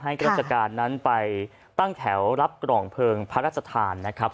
ราชการนั้นไปตั้งแถวรับกล่องเพลิงพระราชทานนะครับ